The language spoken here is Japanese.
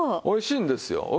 おいしいんですよ。